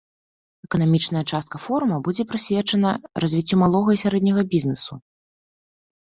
Эканамічная частка форума будзе прысвечаная развіццю малога і сярэдняга бізнесу.